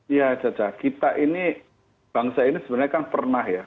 ya caca kita ini bangsa ini sebenarnya kan pernah ya